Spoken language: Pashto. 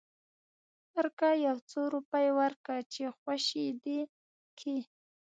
ورکه يو څو روپۍ ورکه چې خوشې دې کي.